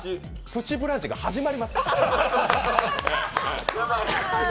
「プチブランチ」が始まりますよ。